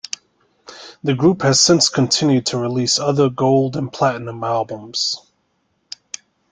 The group has since continued to release other gold and platinum albums.